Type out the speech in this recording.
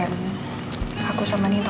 ada apa kok ketemu sama nino